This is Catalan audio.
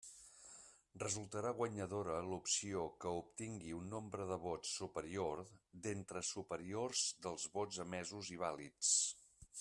Resultarà guanyadora l'opció que obtingui un nombre de vots superior d'entre superiors dels vots emesos i vàlids.